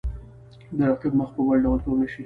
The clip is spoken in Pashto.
د رقیب مخ په بل ډول تور نه شي.